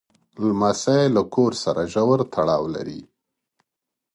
لمسی له کور سره ژور تړاو لري.